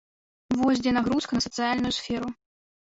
Вось дзе нагрузка на сацыяльную сферу.